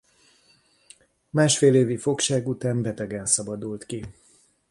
Másfél évi fogság után betegen szabadult ki.